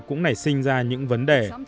cũng nảy sinh ra những vấn đề